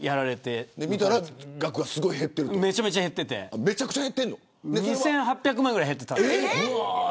めちゃくちゃ減ってて２８００万ぐらい減ってた。